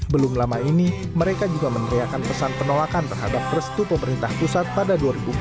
belum lama ini mereka juga meneriakan pesan penolakan terhadap restu pemerintah pusat pada dua ribu empat belas